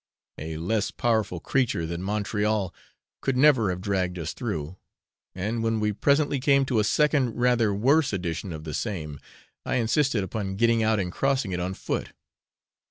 A less powerful creature than Montreal could never have dragged us through; and when we presently came to a second rather worse edition of the same, I insisted upon getting out and crossing it on foot.